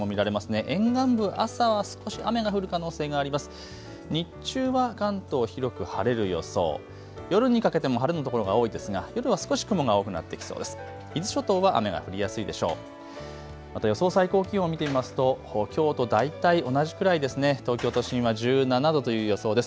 夜にかけても晴れの所が多いですが夜は少し雲が多くなってきそうです。